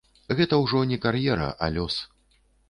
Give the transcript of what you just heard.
Гэта ўжо не кар'ера, а лёс.